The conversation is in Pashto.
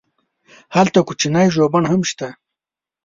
هلته کوچنی ژوبڼ هم شته.